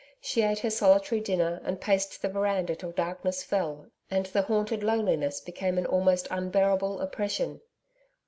She ate her solitary dinner and paced the veranda till darkness fell and the haunted loneliness became an almost unbearable oppression.